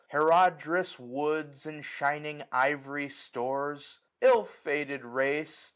Her od'rous woods, and shining ivory stores ? Ill fated race